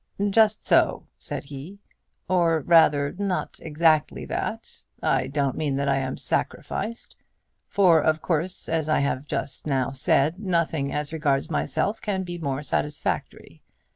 "Just so," said he; "or, rather, not exactly that. I don't mean that I am sacrificed; for, of course, as I have just now said, nothing as regards myself can be more satisfactory.